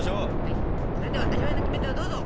それでは味わいのキメテをどうぞ！